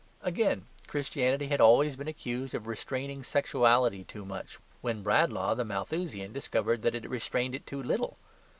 Again Christianity had always been accused of restraining sexuality too much, when Bradlaugh the Malthusian discovered that it restrained it too little.